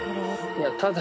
いや